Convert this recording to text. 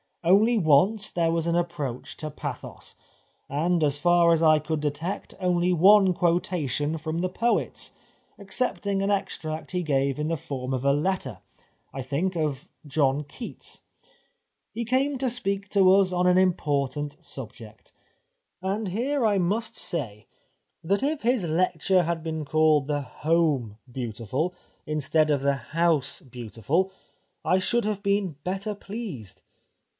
Only once there was an approach to pathos, and as far as I could detect only one quotation from the poets, excepting an extract he gave in the form of a letter — I think — of John Keats. He came to speak to us on an important subject. And here I must say, that if his lecture had been called the ' Home Beautiful,' instead of the ' House Beautiful,' I should have been better pleased.